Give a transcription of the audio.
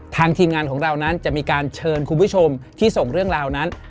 ทีมงานของเรานั้นจะมีการเชิญคุณผู้ชมที่ส่งเรื่องราวนั้น